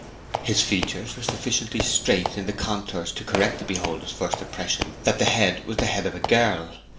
His features were sufficiently straight in the contours to correct the beholder's first impression that the head was the head of a girl.